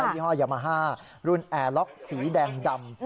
ี่ห้อยามาฮ่ารุ่นแอร์ล็อกสีแดงดำ